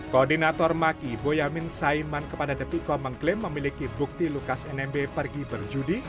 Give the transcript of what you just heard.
koordinator maki boyamin saiman kepada detikom mengklaim memiliki bukti lukas nmb pergi berjudi